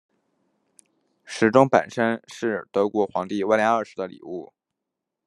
时钟本身是是德国皇帝威廉二世的礼物。